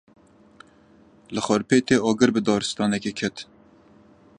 Li Xarpêtê agir bi daristanekê ket.